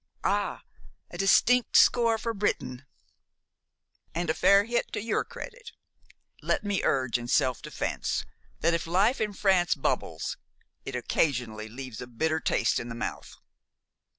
"Ah, a distinct score for Britain!" "And a fair hit to your credit. Let me urge in self defense that if life in France bubbles, it occasionally leaves a bitter taste in the mouth.